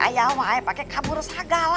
awe awe pake kabur sagal